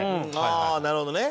あなるほどね。